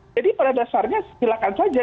jadi pada dasarnya silahkan saja